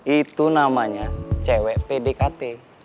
itu namanya cewek pdkt